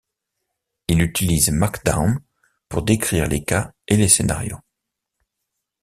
Il utilise Markdown pour décrire les cas et les scénarios.